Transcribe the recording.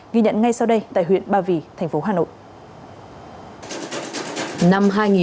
ghi nhận ngay sau đây tại huyện ba vì thành phố hà nội